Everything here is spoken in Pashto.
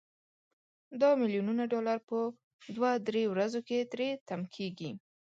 دا ملیونونه ډالر په دوه درې ورځو کې تري تم کیږي.